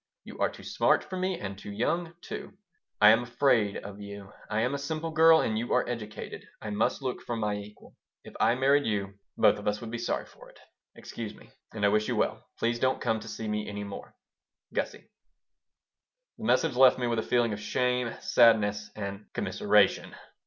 You are too smart for me and too young, too. I am afraid of you. I am a simple girl and you are educated. I must look for my equal. If I married you, both of us would be sorry for it. Excuse me, and I wish you well. Please don't come to see me any more GUSSIE The message left me with a feeling of shame, sadness, and commiseration.